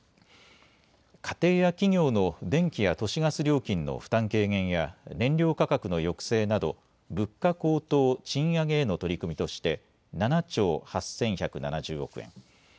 家庭や企業の電気や都市ガス料金の負担軽減や燃料価格の抑制など物価高騰・賃上げへの取り組みとして７兆８１７０億円。